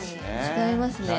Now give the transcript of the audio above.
違いますね